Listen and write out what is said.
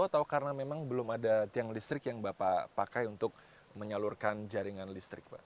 atau karena memang belum ada tiang listrik yang bapak pakai untuk menyalurkan jaringan listrik pak